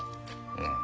うん。